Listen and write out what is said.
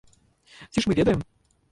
Ці ж мы ведаем?!